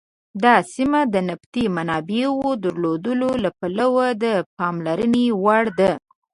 دا سیمه د نفتي منابعو درلودلو له پلوه د پاملرنې وړ ده.